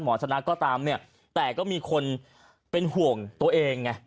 ชนะก็ตามเนี่ยแต่ก็มีคนเป็นห่วงตัวเองไง